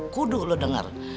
kuduh lo denger